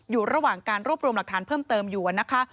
อยู่ระหว่างการรวบรวมหลักฐานเพิ่มเติมอยู่นะคะ